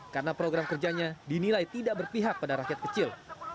karena program kerjanya dinilai tidak berpihak pada rakyat kecil